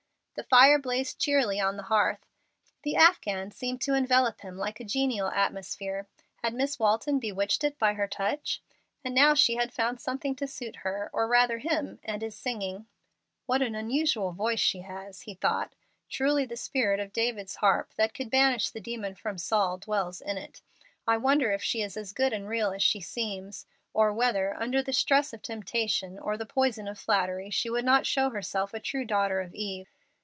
The fire blazed cheerily on the hearth. The afghan seemed to envelop him like a genial atmosphere. Had Miss Walton bewitched it by her touch? And now she has found something to suit her, or rather him, and is singing. "What an unusual voice she has!" he thought "Truly the spirit of David's harp, that could banish the demon from Saul, dwells in it. I wonder if she is as good and real as she seems, or whether, under the stress of temptation or the poison of flattery, she would not show herself a true daughter of Eve?